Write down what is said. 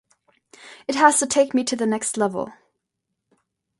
It has to take me to the next level.